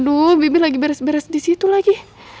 opedia keluar drenges to ai